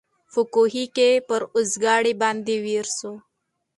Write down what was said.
په کوهي کي پر اوزګړي باندي ویر سو